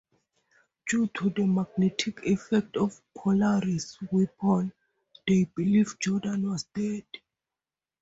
Due to the magnetic effect of Polaris' weapon, they believed Jordan was dead.